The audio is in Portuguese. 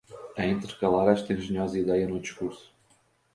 a intercalar esta engenhosa idéia no discurso